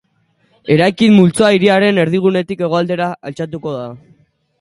Eraikin multzoa hiriaren erdigunetik hegoaldera altxatuko da.